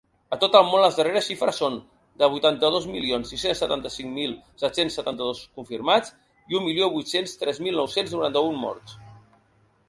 A tot el món, les darreres xifres són de vuitanta-dos milions sis-cents setanta-cinc mil set-cents setanta-dos confirmats i un milió vuit-cents tres mil nou-cents noranta-un morts.